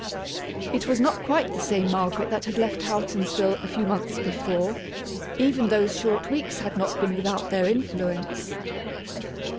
It was not quite the same Margaret that had left Houghtonsville a few months before. Even those short weeks had not been without their influence.